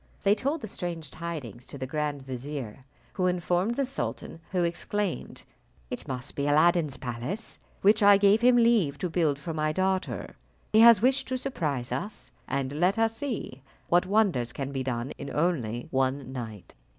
They told the strange tidings to the grand vizier, who informed the sultan, who exclaimed, "It must be Aladdin's palace, which I gave him leave to build for my daughter. He has wished to surprise us, and let us see what wonders can be done in only one night."